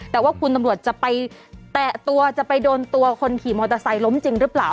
แต่ว่าคุณตำรวจจะไปแตะตัวจะไปโดนตัวคนขี่มอเตอร์ไซค์ล้มจริงหรือเปล่า